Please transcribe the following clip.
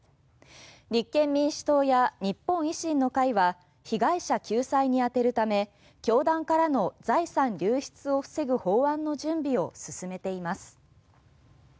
立憲民主党や日本維新の会は被害者救済に充てるため教団からの財産流出を防ぐ法案の準備を進めています。